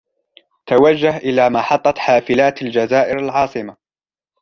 توجه إلى محطة حافلات الجزائر العاصمة.